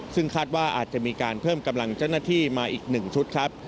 ซึ่งคาดว่าอาจจะมีการเพิ่มกำลังเจ้าหน้าที่มาอีก๑ชุดครับ